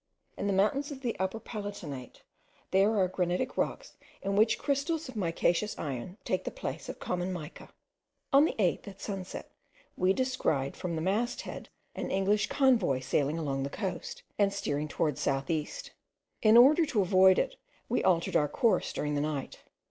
In the mountains of the Upper Palatinate there are granitic rocks in which crystals of micaceous iron take the place of common mica. On the 8th, at sunset, we descried from the mast head an English convoy sailing along the coast, and steering towards south east. In order to avoid it we altered our course during the night.